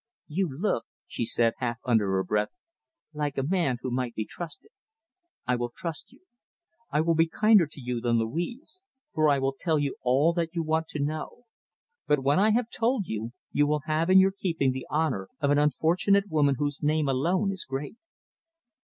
"You look," she said, half under her breath, "like a man who might be trusted. I will trust you. I will be kinder to you than Louise, for I will tell you all that you want to know. But when I have told you, you will have in your keeping the honour of an unfortunate woman whose name alone is great."